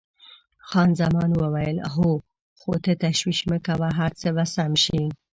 خان زمان وویل: هو، خو ته تشویش مه کوه، هر څه به سم شي.